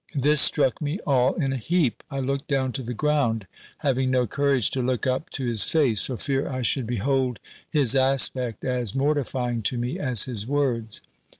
This struck me all in a heap. I looked down to the ground: having no courage to look up to his face, for fear I should behold his aspect as mortifying to me as his words.